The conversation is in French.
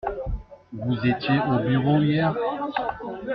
Vous étiez au bureau hier ?